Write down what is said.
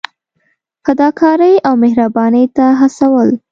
فدا کارۍ او مهربانۍ ته هڅول.